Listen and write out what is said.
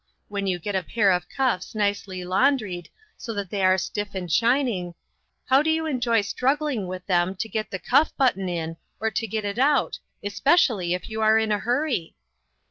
When you get a pair of cuffs nicely laun dried, so that they are stiff and shining, how do you enjoy struggling with them to get the cuff button in, or to get it out especially if you are in a hurry